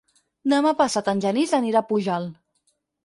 Demà passat en Genís anirà a Pujalt.